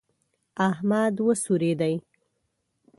احمد وسورېدی.